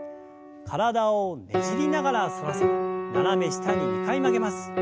体をねじりながら反らせ斜め下に２回曲げます。